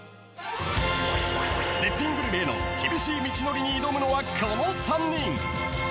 ［絶品グルメへの厳しい道のりに挑むのはこの３人］